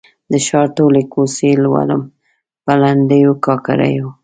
د ښار ټولي کوڅې لولم په لنډېو، کاکړیو